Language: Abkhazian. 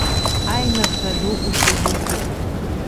Аиныхра ду уҽазукит.